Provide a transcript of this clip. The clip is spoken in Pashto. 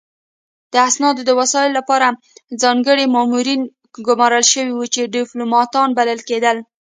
د اسنادو د ساتلو لپاره ځانګړي مامورین ګمارل شوي وو چې ډیپلوماتان بلل کېدل